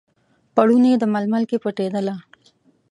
پوړني، د ململ کې پټیدله